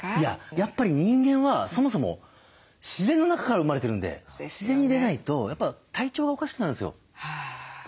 やっぱり人間はそもそも自然の中から生まれてるんで自然に出ないとやっぱ体調がおかしくなるんですよ。